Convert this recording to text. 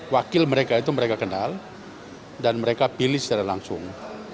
wakil mereka itu mereka kenal dan mereka pilih secara langsung